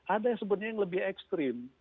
ada yang sebenarnya yang lebih ekstrim